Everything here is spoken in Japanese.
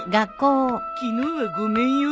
昨日はごめんよ。